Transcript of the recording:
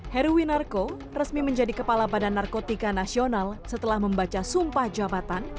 heruwinarko resmi menjadi kepala badan narkotika nasional setelah membaca sumpah jabatan